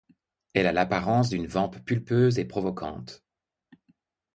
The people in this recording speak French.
Elle a l'apparence d'une vamp pulpeuse et provocante.